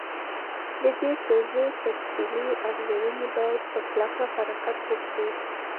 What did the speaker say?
د دې پروژې تفصیلي ارزوني باید په کلکه حرکت وکړي.